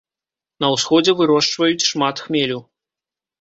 На ўсходзе вырошчваюць шмат хмелю.